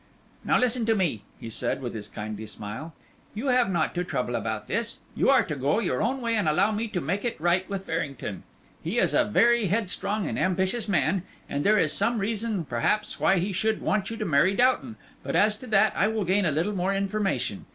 "Now listen to me," he said, with his kindly smile; "you have not to trouble about this; you are to go your own way and allow me to make it right with Farrington. He is a very headstrong and ambitious man, and there is some reason perhaps why he should want you to marry Doughton, but as to that I will gain a little more information.